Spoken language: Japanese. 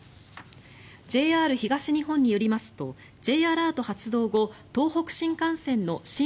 ＪＲ東日本によりますとＪアラート発動後東北新幹線の新